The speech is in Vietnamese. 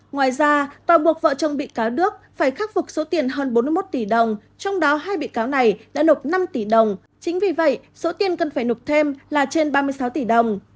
ngoài ra tòa buộc vợ chồng bị cáo đức phải khắc phục số tiền hơn bốn mươi một tỷ đồng trong đó hai bị cáo này đã nộp năm tỷ đồng chính vì vậy số tiền cần phải nộp thêm là trên ba mươi sáu tỷ đồng